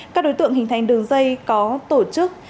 các đối tượng hình thành đường dây có tổ chức